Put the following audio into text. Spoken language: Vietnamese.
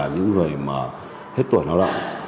những người hết tuổi lao động